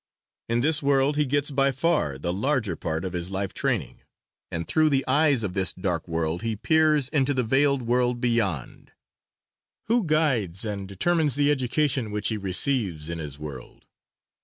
In this world he gets by far the larger part of his life training, and through the eyes of this dark world he peers into the veiled world beyond. Who guides and determines the education which he receives in his world?